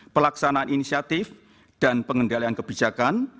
pelaksanaan inisiatif dan pengendalian kebijakan